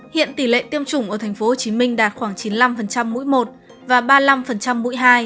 hiện tỷ lệ tiêm chủng ở tp hcm đạt khoảng chín mươi năm mũi một và ba mươi năm mũi hai